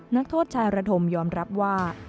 นักโทษชายระธมยอมรับว่า